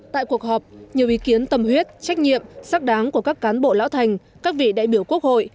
tại cuộc họp nhiều ý kiến tâm huyết trách nhiệm sắc đáng của các cán bộ lão thành các vị đại biểu quốc hội